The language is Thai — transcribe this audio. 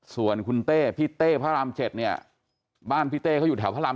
ส่วนคุณเต้พี่เต้พระราม๗เนี่ยบ้านพี่เต้เขาอยู่แถวพระราม